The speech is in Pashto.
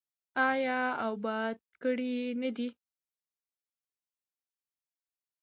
آیا او اباد کړی نه دی؟